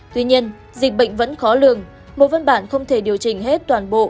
tuy nhiên dịch bệnh vẫn khó lường một văn bản không thể điều chỉnh hết toàn bộ